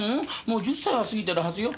もう１０歳は過ぎてるはずよ。